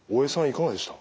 いかがでした？